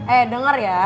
eh denger ya